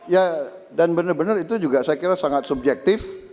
ya dan benar benar itu juga saya kira sangat subjektif